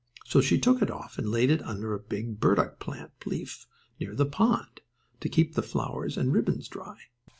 So she took it off and laid it under a big burdock plant leaf near the pond, to keep the flowers and ribbons dry.